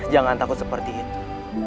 jangan takut seperti itu